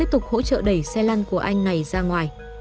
tiếp tục hỗ trợ đẩy xe lăn của anh này ra ngoài